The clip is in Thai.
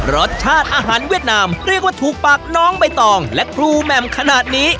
รสชาติอาหารเวียดนามเรียกว่าถูกปากน้องใบตองและครูแหม่มขนาดนี้